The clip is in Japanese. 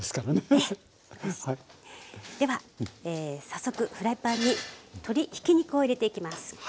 では早速フライパンに鶏ひき肉を入れていきます。